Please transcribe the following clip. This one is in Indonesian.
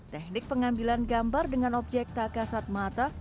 teknik pengambilan gambar dengan objek takasat mata